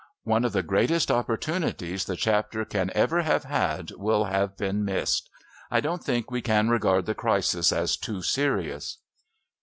One of the greatest opportunities the Chapter can ever have had will have been missed. I don't think we can regard the crisis as too serious."